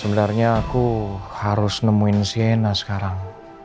sebenarnya aku harus nemuin siena sekarang